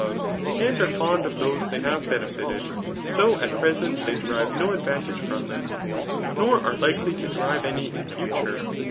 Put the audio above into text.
347 love, and are fond of those they have benefited, though at present they derive no advantage from them, nor are likely to derive any in future.